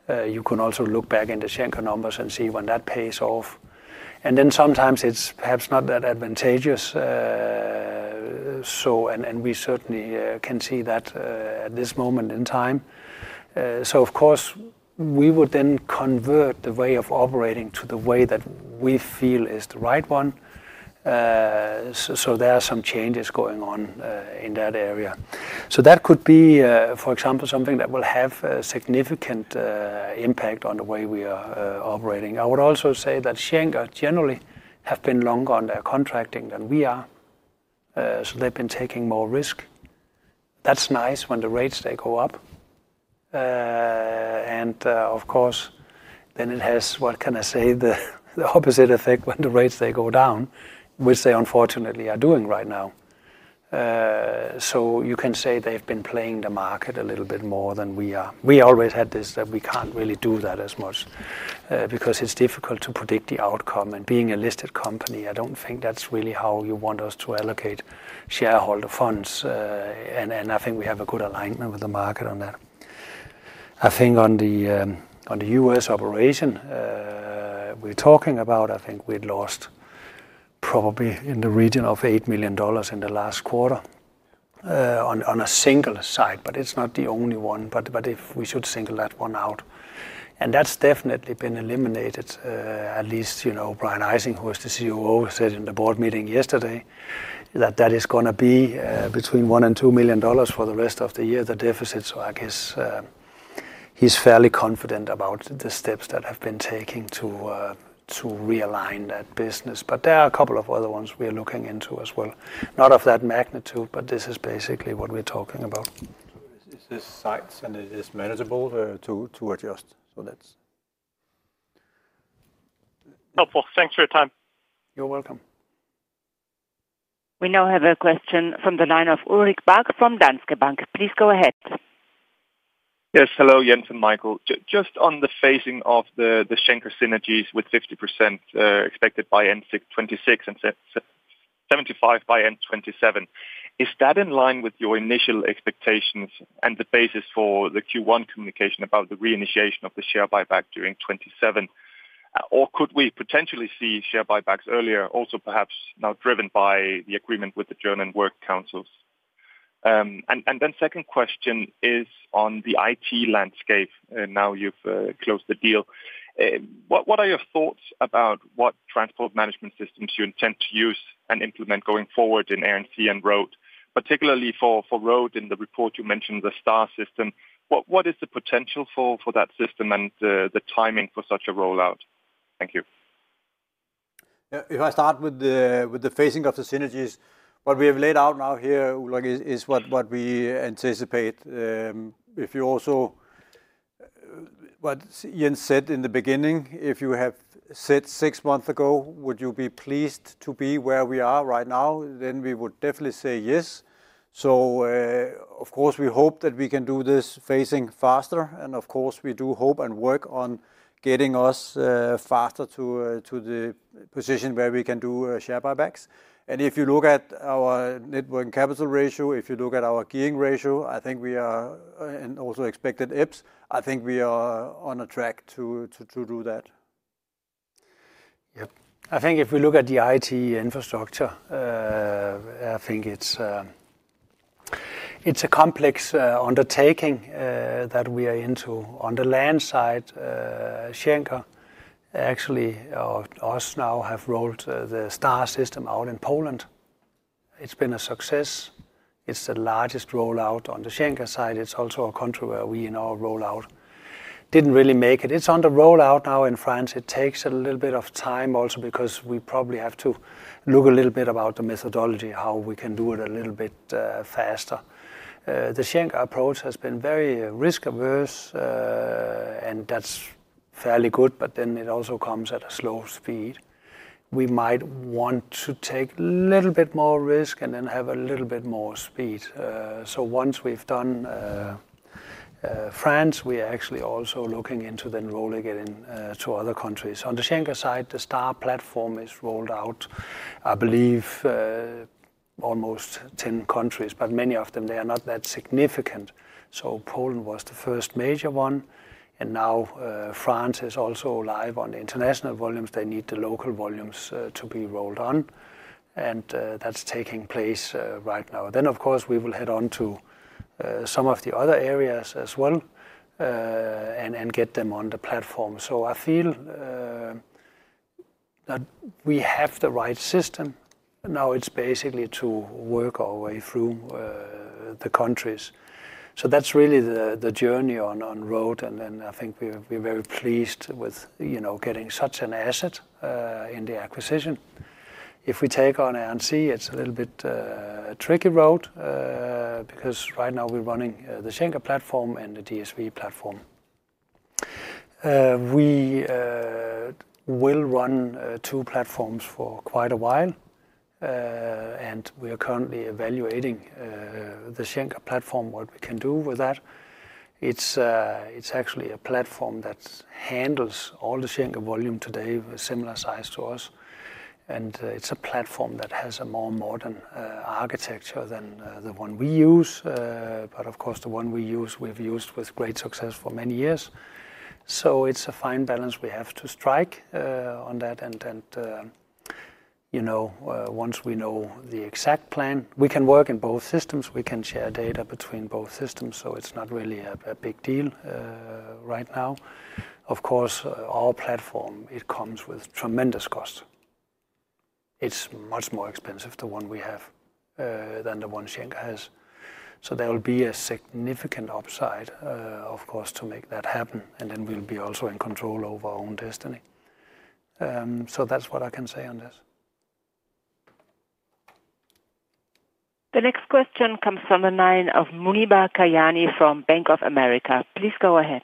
You can also look back into Schenker numbers and see when that pays off, and then sometimes it's perhaps not that advantageous. We certainly can see that at this moment in time. Of course, we would then convert the way of operating to the way that we feel is the right one. There are some changes going on in that area, so that could be, for example, something that will have a significant impact on the way we are operating. I would also say that Schenker generally have been longer on their contracting than we are, so they've been taking more risk. That's nice when the rates go up, and, of course, then it has, what can I say, the opposite effect when the rates go down, which they unfortunately are doing right now. You can say they've been playing the market a little bit more than we are. We always had this that we can't really do that as much because it's difficult to predict the outcome. Being a listed company, I don't think that's really how you want us to allocate shareholder funds. I think we have a good alignment with the market on that. I think on the U.S. operation, we're talking about, I think we'd lost probably in the region of $8 million in the last quarter on a single site, but it's not the only one. If we should single that one out, that's definitely been eliminated. At least Brian Ejsing, who is the COO, said in the board meeting yesterday that that is going to be between $1 million and $2 million for the rest of the year, the deficit. I guess he's fairly confident about the steps that have been taken to realign that business. There are a couple of other ones we are looking into as well, not of that magnitude, but this is basically what we're talking about. It's the sites, and it is manageable to adjust. That's helpful. Thanks for your time. You're welcome. We now have a question from the line of Ulrik Bak from Danske Bank. Please go ahead. Yes, hello, Jens and Michael. Just on the phasing of the Schenker synergies with 50% expected by end 2026 and 75% by end 2027, is that in line with your initial expectations and the basis for the Q1 communication about the reinitiation of the share buyback during 2027? Could we potentially see share buybacks earlier, also perhaps now driven by the agreement with the German Works Council? The second question is on the IT landscape. Now you've closed the deal, what are your thoughts about what transport management systems you intend to use and implement going forward in air and sea and road, particularly for road? In the report you mentioned the STAR system. What is the potential for that system and the timing for such a rollout? Thank you. If I start with the phasing of the synergies, what we have laid out now here, Ulrik, is what we anticipate. If you also, what Jens said in the beginning, if you have said six months ago, would you be pleased to be where we are right now, then we would definitely say yes. Of course, we hope that we can do this phasing faster. Of course, we do hope and work on getting us faster to the position where we can do share buybacks. If you look at our networking capital ratio, if you look at our gearing ratio, I think we are also expected EPS. I think we are on a track to do that. I think if we look at the IT infrastructure, it's a complex undertaking that we are into. On the land side, Schenker, actually, us now have rolled the STAR transport management system out in Poland. It's been a success. It's the largest rollout on the Schenker side. It's also a country where we in our rollout didn't really make it. It's under rollout now in France. It takes a little bit of time also because we probably have to look a little bit about the methodology, how we can do it a little bit faster. The Schenker approach has been very risk-averse, and that's fairly good, but it also comes at a slow speed. We might want to take a little bit more risk and then have a little bit more speed. Once we've done France, we are actually also looking into then rolling it into other countries. On the Schenker side, the STAR platform is rolled out, I believe, almost 10 countries, but many of them are not that significant. Poland was the first major one, and now France is also live on the international volumes. They need the local volumes to be rolled on, and that's taking place right now. Of course, we will head on to some of the other areas as well and get them on the platform. I feel that we have the right system. Now it's basically to work our way through the countries. That's really the journey on road. I think we're very pleased with getting such an asset in the acquisition. If we take on air and sea, it's a little bit tricky road because right now we're running the Schenker platform and the DSV platform. We will run two platforms for quite a while, and we are currently evaluating the Schenker platform, what we can do with that. It's actually a platform that handles all the Schenker volume today with similar size to us, and it's a platform that has a more modern architecture than the one we use. Of course, the one we use, we've used with great success for many years, so it's a fine balance we have to strike on that. Once we know the exact plan, we can work in both systems. We can share data between both systems, so it's not really a big deal right now. Of course, our platform comes with tremendous cost. It's much more expensive, the one we have, than the one Schenker has. There will be a significant upside, of course, to make that happen, and then we'll be also in control of our own destiny. That's what I can say on this. The next question comes from the line of Muneeba Kayani from Bank of America. Please go ahead.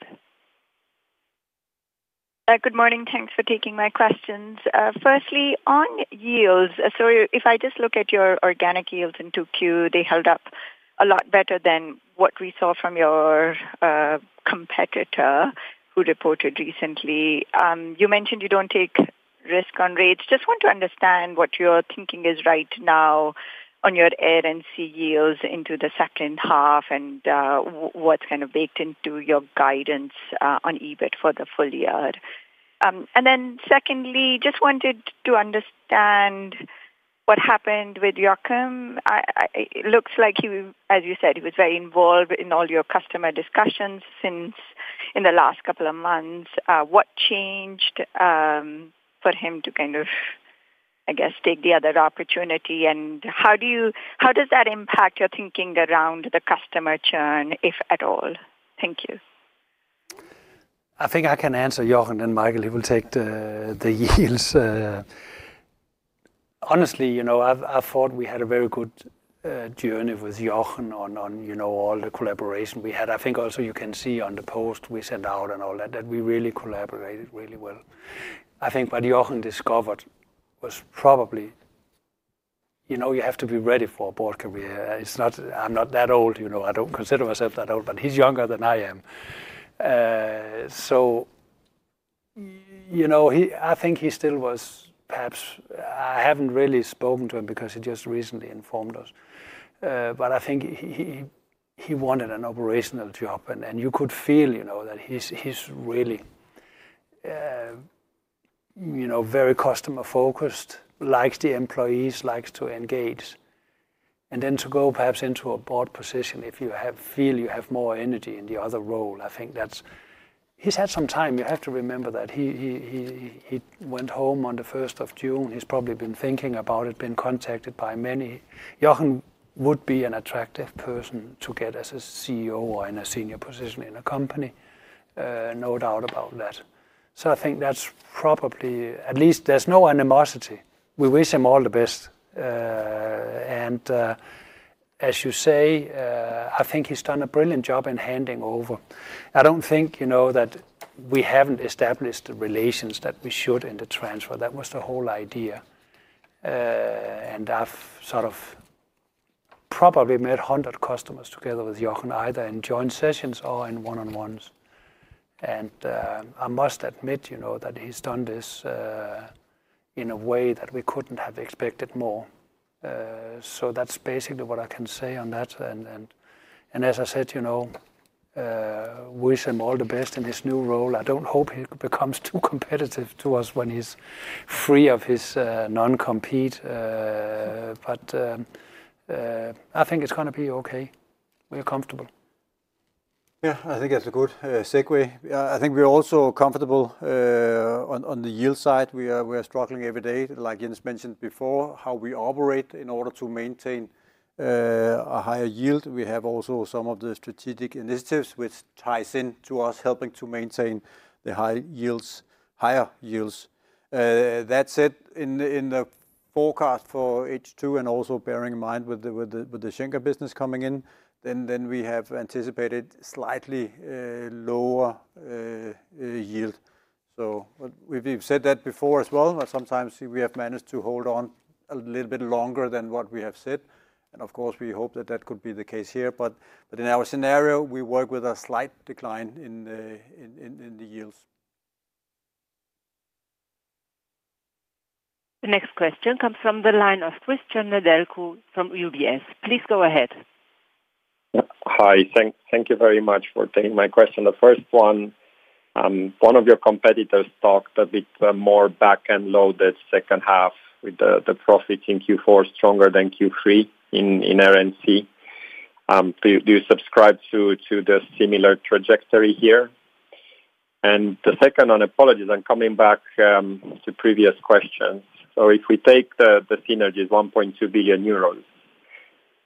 Good morning. Thanks for taking my questions. Firstly, on yields, if I just look at your organic yields in 2Q they held up a lot better than what we saw from your competitor who reported recently. You mentioned you don't take risk on rates. Just want to understand what your thinking is right now on your air and sea yields into the second half and what's kind of baked into your guidance on EBIT for the full year. Secondly, just wanted to understand what happened with Jochen. It looks like, as you said, he was very involved in all your customer discussions in the last couple of months. What changed for him to kind of, I guess, take the other opportunity? How does that impact your thinking around the customer churn, if at all? Thank you. I think I can answer Jochen and Michael, he will take the yields. Honestly, I thought we had a very good journey with Jochen on all the collaboration we had. I think also you can see on the post we sent out and all that, that we really collaborated really well. I think what Jochen discovered was probably you have to be ready for a Board career. I'm not that old. I don't consider myself that old, but he's younger than I am. I think he still was, perhaps I haven't really spoken to him because he just recently informed us. I think he wanted an operational job. You could feel that he's really very customer-focused, likes the employees, likes to engage. To go perhaps into a board position, if you feel you have more energy in the other role, I think that's, he's had some time. You have to remember that he went home on the 1st of June. He's probably been thinking about it, been contacted by many. Jochen would be an attractive person to get as a CEO or in a senior position in a company. No doubt about that. I think that's probably at least there's no animosity. We wish him all the best. As you say, I think he's done a brilliant job in handing over. I don't think that we haven't established the relations that we should in the transfer. That was the whole idea. I've probably met 100 customers together with Jochen, either in joint sessions or in one-on-ones. I must admit that he's done this in a way that we couldn't have expected more. That's basically what I can say on that. As I said, wish him all the best in his new role. I don't hope he becomes too competitive to us when he's free of his non-compete. I think it's going to be okay. We're comfortable. Yeah, I think that's a good segue. I think we're also comfortable. On the yield side, we are struggling every day, like Jens mentioned before, how we operate in order to maintain a higher yield. We have also some of the strategic initiatives which ties into us helping to maintain the higher yields. That said, in the forecast for H2 and also bearing in mind with the Schenker business coming in, then we have anticipated slightly lower yield. We've said that before as well, but sometimes we have managed to hold on a little bit longer than what we have said. Of course, we hope that that could be the case here. In our scenario, we work with a slight decline in the yields. The next question comes from the line of Cristian Nedelcu from UBS. Please go ahead. Hi. Thank you very much for taking my question. The first one, one of your competitors talked a bit more back-end loaded second half with the profits in Q4 stronger than Q3 in air and sea. Do you subscribe to the similar trajectory here? The second one, apologies, I'm coming back to previous questions. If we take the synergies, 1.2 billion euros,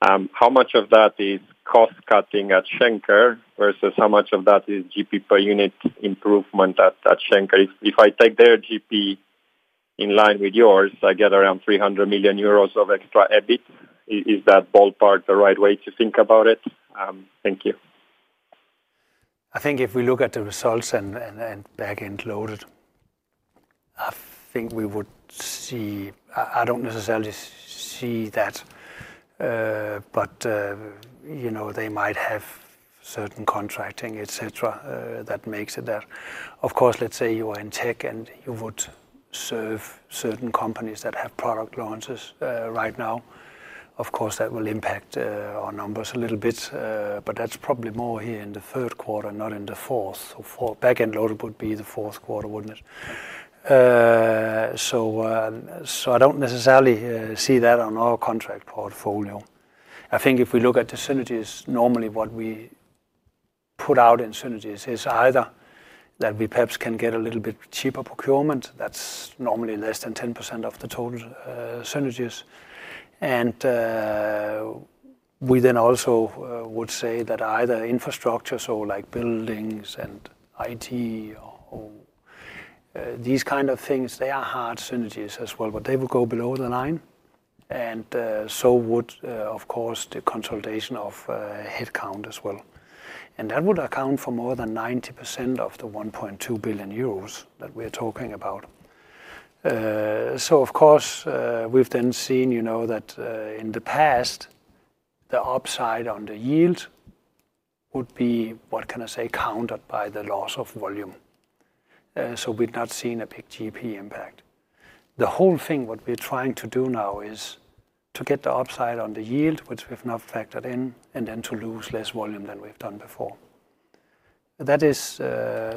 how much of that is cost-cutting at Schenker versus how much of that is GP per unit improvement at Schenker? If I take their GP in line with yours, I get around 300 million euros of extra EBIT. Is that ballpark the right way to think about it? Thank you. I think if we look at the results and back-end loaded, I think we would see I don't necessarily see that. They might have certain contracting, etc., that makes it that. Of course, let's say you are in tech and you would serve certain companies that have product launches right now. Of course, that will impact our numbers a little bit. That's probably more here in the third quarter, not in the fourth. Back-end load would be the fourth quarter, wouldn't it? I don't necessarily see that on our contract portfolio. I think if we look at the synergies, normally what we put out in synergies is either that we perhaps can get a little bit cheaper procurement. That's normally less than 10% of the total synergies. We then also would say that either infrastructure, so like buildings and IT or these kind of things, they are hard synergies as well. They will go below the line. So would, of course, the consolidation of headcount as well. That would account for more than 90% of the 1.2 billion euros that we are talking about. Of course, we've then seen that in the past. The upside on the yield would be, what can I say, countered by the loss of volume. We've not seen a big GP impact. The whole thing, what we're trying to do now is to get the upside on the yield, which we've not factored in, and then to lose less volume than we've done before. That is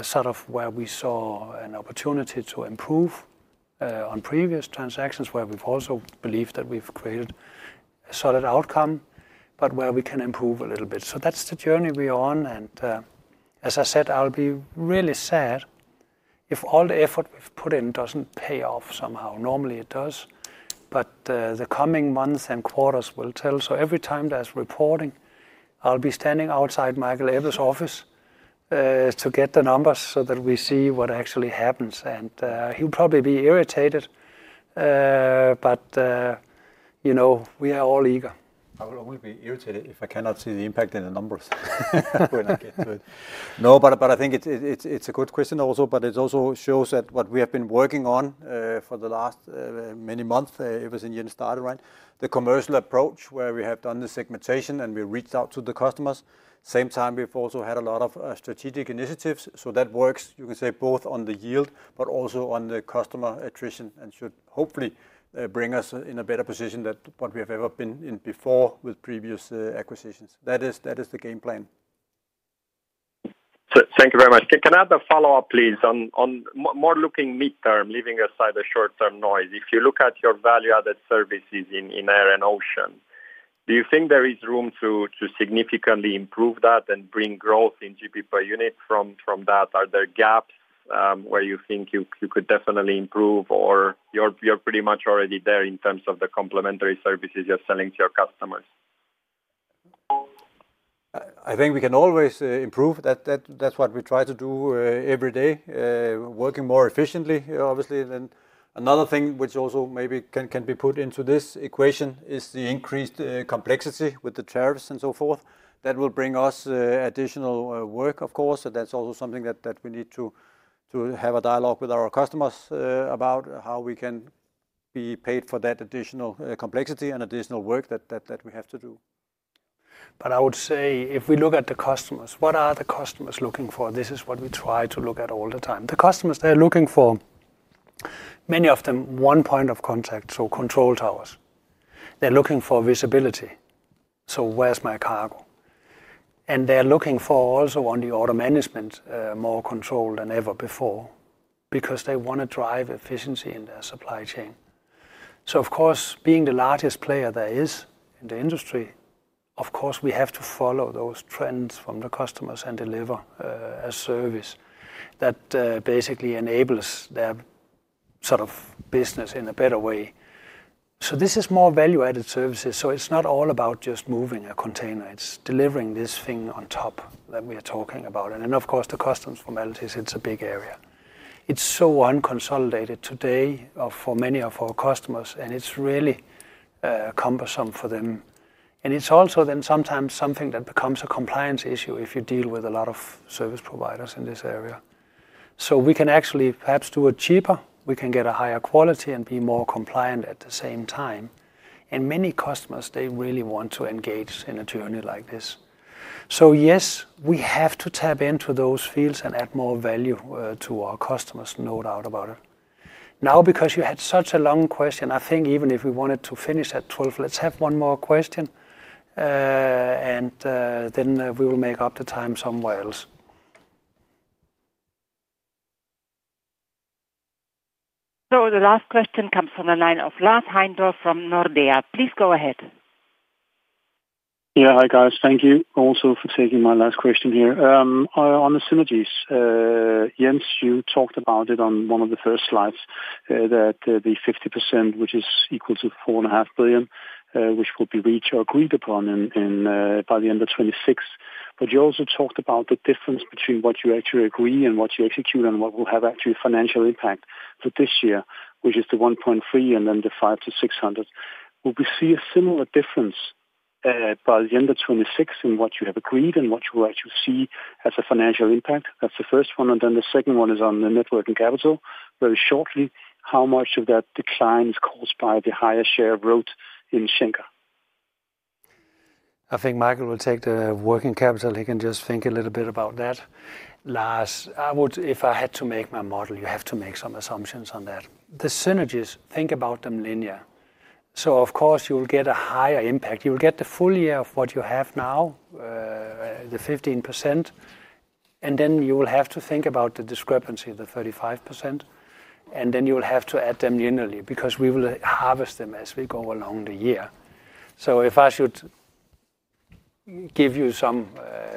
sort of where we saw an opportunity to improve. On previous transactions where we've also believed that we've created a solid outcome, but where we can improve a little bit. That is the journey we are on. As I said, I'll be really sad if all the effort we've put in doesn't pay off somehow. Normally it does. The coming months and quarters will tell. Every time there's reporting, I'll be standing outside Michael Ebbe's office to get the numbers so that we see what actually happens. He'll probably be irritated. We are all eager. I will only be irritated if I cannot see the impact in the numbers when I get to it. I think it's a good question also. It also shows that what we have been working on for the last many months, it was in year started, right? The commercial approach where we have done the segmentation and we reached out to the customers. At the same time, we've also had a lot of strategic initiatives. That works, you can say, both on the yield, but also on the customer attrition and should hopefully bring us in a better position than what we have ever been in before with previous acquisitions. That is the game plan. Thank you very much. Can I have a follow-up, please, on more looking midterm, leaving aside the short-term noise? If you look at your value-added services in air and ocean, do you think there is room to significantly improve that and bring growth in GP per unit from that? Are there gaps where you think you could definitely improve or you're pretty much already there in terms of the complementary services you're selling to your customers? I think we can always improve. That's what we try to do every day, working more efficiently, obviously. Another thing which also maybe can be put into this equation is the increased complexity with the tariffs and so forth. That will bring us additional work, of course. That's also something that we need to have a dialogue with our customers about, how we can be paid for that additional complexity and additional work that we have to do. I would say, if we look at the customers, what are the customers looking for? This is what we try to look at all the time. The customers, they're looking for, many of them, one point of contact, so control towers. They're looking for visibility, so where's my cargo? They're looking for, also on the order management, more control than ever before because they want to drive efficiency in their supply chain. Of course, being the largest player there is in the industry, we have to follow those trends from the customers and deliver a service that basically enables their sort of business in a better way. This is more value-added services. It's not all about just moving a container. It's delivering this thing on top that we are talking about. The customs formalities, it's a big area. It's so unconsolidated today for many of our customers, and it's really cumbersome for them. It's also then sometimes something that becomes a compliance issue if you deal with a lot of service providers in this area. We can actually perhaps do it cheaper. We can get a higher quality and be more compliant at the same time. Many customers, they really want to engage in a journey like this. Yes, we have to tap into those fields and add more value to our customers, no doubt about it. Now, because you had such a long question, I think even if we wanted to finish at 12:00 P.M., let's have one more question. We will make up the time somewhere else. The last question comes from the line of Lars Heindorff from Nordea. Please go ahead. Yeah, hi guys. Thank you also for taking my last question here. On the synergies, Jens, you talked about it on one of the first slides, that the 50%, which is equal to 4.5 billion, which will be reached or agreed upon by the end of 2026. You also talked about the difference between what you actually agree and what you execute and what will have actually financial impact for this year, which is the 1.3 billion and then the 500 million-600 million. Will we see a similar difference by the end of 2026 in what you have agreed and what you will actually see as a financial impact? That's the first one. The second one is on the networking capital. Very shortly, how much of that decline is caused by the higher share of road in Schenker? I think Michael will take the working capital. He can just think a little bit about that. Lars, if I had to make my model, you have to make some assumptions on that. The synergies, think about them linear. Of course, you will get a higher impact. You will get the full year of what you have now, the 15%. Then you will have to think about the discrepancy, the 35%. You will have to add them linearly because we will harvest them as we go along the year. If I should give you some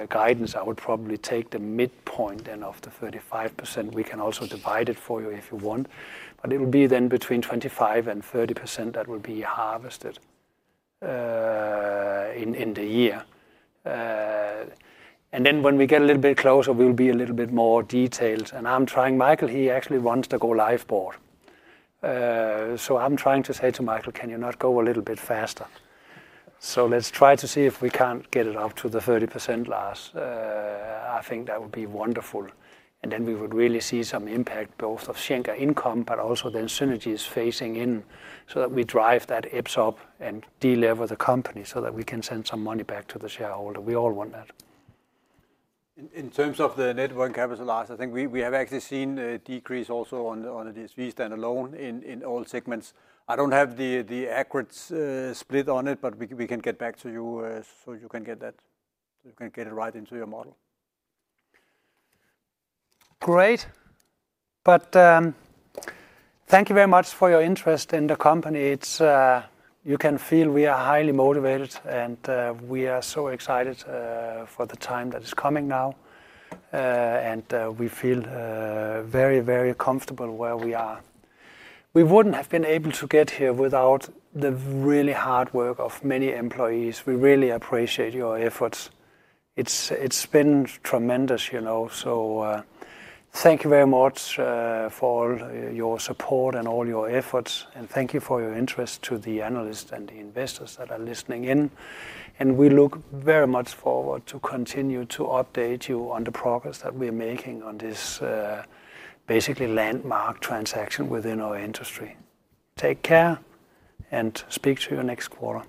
guidance, I would probably take the midpoint then of the 35%. We can also divide it for you if you want, but it will be then between 25% and 30% that will be harvested in the year. When we get a little bit closer, we'll be a little bit more detailed. I'm trying, Michael, he actually wants to go live board. I'm trying to say to Michael, can you not go a little bit faster? Let's try to see if we can't get it up to the 30%, Lars. I think that would be wonderful. Then we would really see some impact both of Schenker income, but also then synergies phasing in so that we drive that EPS up and delever the company so that we can send some money back to the shareholder. We all want that. In terms of the networking capital, Lars, I think we have actually seen a decrease also on the DSV standalone in all segments. I don't have the accurate split on it, but we can get back to you so you can get that. You can get it right into your model. Great. Thank you very much for your interest in the company. You can feel we are highly motivated and we are so excited for the time that is coming now. We feel very, very comfortable where we are. We wouldn't have been able to get here without the really hard work of many employees. We really appreciate your efforts. It's been tremendous. Thank you very much for all your support and all your efforts. Thank you for your interest to the analysts and the investors that are listening in. We look very much forward to continue to update you on the progress that we are making on this basically landmark transaction within our industry. Take care and speak to you next quarter.